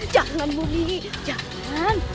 jangan mobi jangan